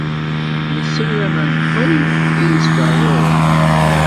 Nessaram ad neqqel d inesbaɣuren.